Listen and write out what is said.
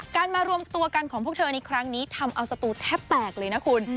มารวมตัวกันของพวกเธอในครั้งนี้ทำเอาสตูแทบแตกเลยนะคุณ